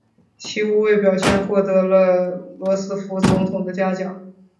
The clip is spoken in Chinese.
其无畏表现获得了罗斯福总统的嘉奖。